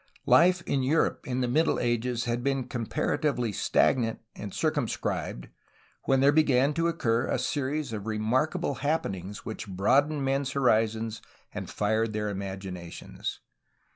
Life in Europe in the Mid dle Ages had been comparatively stagnant and circum scribed, when there began to occur a series of remarkable happenings which broadened men's horizons and fired their imaginations.